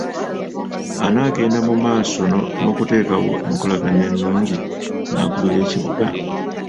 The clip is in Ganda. Anaagenda mu maaso n’okuteekawo enkolagana ennungi n’akulira ekibuga?